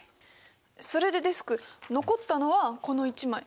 それでデスク残ったのはこの１枚。